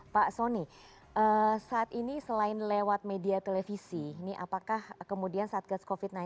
pak soni saat ini selain lewat media televisi ini apakah kemudian satgas covid sembilan belas